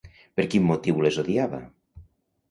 Per quin motiu les odiava?